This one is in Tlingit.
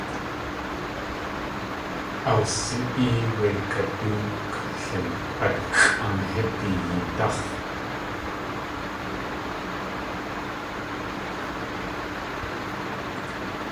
Aawsi.ée wé kadúkli atxʼaan hídi yeedáx̲.